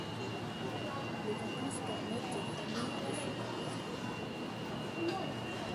Les vacances permettent aux familles de se reposer.